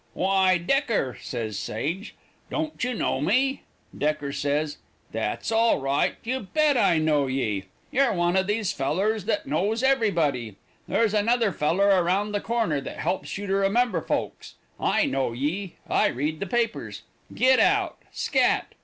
'Why, Decker,' says Sage, 'don't you know me?' Decker says, 'That's all right. You bet I know ye. You're one of these fellows that knows everybody. There's another feller around the corner that helps you to remember folks. I know ye. I read the papers. Git out. Scat.